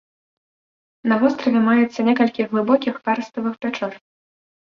На востраве маецца некалькі глыбокіх карставых пячор.